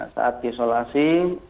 saat di isolasi